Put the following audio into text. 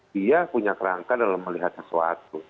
dia punya kerangka dalam melihat sesuatu